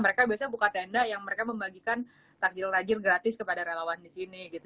mereka biasanya buka tenda yang mereka membagikan takjil tajil gratis kepada relawan di sini gitu